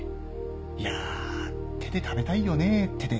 いや手で食べたいよね手で。